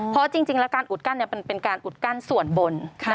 เพราะจริงแล้วการอุดกั้นเป็นการอุดกั้นส่วนบน